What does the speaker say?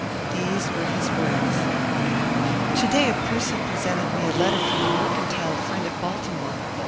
These were his words: "To day a person presented me a letter from a mercantile friend at Baltimore.